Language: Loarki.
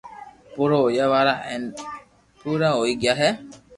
پور ھويا وارا ھي ھين پورا ھوئي گيا ھي